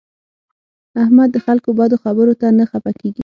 احمد د خلکو بدو خبرو ته نه خپه کېږي.